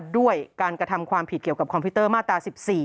ด้วยการกระทำความผิดเกี่ยวกับคอมพิวเตอร์มาตรา๑๔